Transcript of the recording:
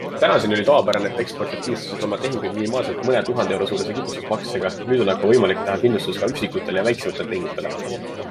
Tänaseni oli tavapärane, et eksportijad kindlustasid oma tehinguid minimaalselt mõne tuhande euro suuruse kindlustusmaksega, nüüd on aga võimalik teha kindlustus ka üksikutele ja väiksematele tehingutele.